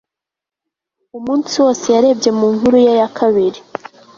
Umunsi wose yarebye mu nkuru ye ya kabiri